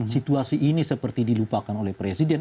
situasi ini seperti dilupakan oleh presiden